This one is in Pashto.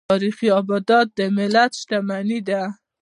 تاریخي ابدات د ملت شتمني ده.